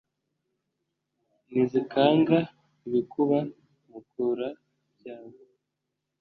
ntizikanga ibikuba, mukura-byago